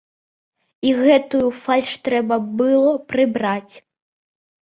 І гэтую фальш трэба было прыбраць.